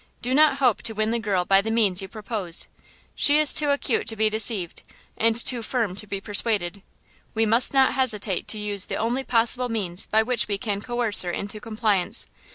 Do not hope to win the girl by the means you propose. She is too acute to be deceived, and too firm to be persuaded. We must not hesitate to use the only possible means by which we can coerce her into compliance.